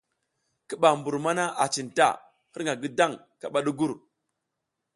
Ki ɓa mbur mana a cinta, hirƞga ngidang kaɓa ɗugur.